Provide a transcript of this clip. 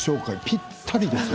ぴったりですよ。